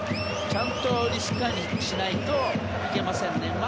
ちゃんとリスク管理しないといけませんね。